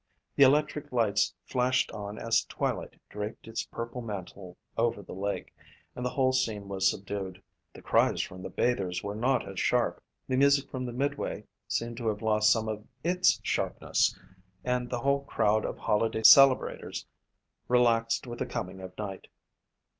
The electric lights flashed on as twilight draped its purple mantle over the lake and the whole scene was subdued. The cries from the bathers were not as sharp, the music from the midway seemed to have lost some of its sharpness and the whole crowd of holiday celebrators relaxed with the coming of night.